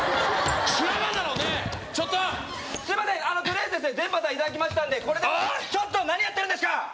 修羅場だろねえちょっとすいませんとりあえずですね全パターンいただきましたんでこれでちょっと何やってるんですか？